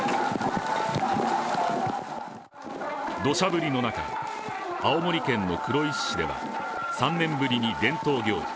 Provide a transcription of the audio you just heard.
どしゃ降りの中、青森県の黒石市では３年ぶりに伝統行事